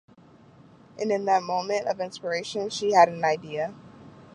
And then, in a moment of inspiration, she had an idea.